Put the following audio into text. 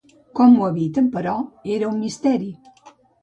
Com ho eviten, però, era un misteri.